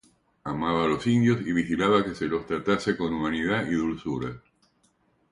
Amaba a los indios y vigilaba que se les tratase con humanidad y dulzura.